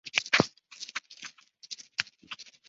不过它也可能是一颗有强磁场的夸克星。